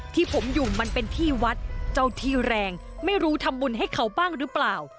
ที่ผมอยู่มันเป็นที่วัดเจ้าที่แรงไม่รู้ทำบุญให้เขาบ้างหรือเปล่า